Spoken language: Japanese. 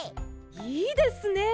いいですね！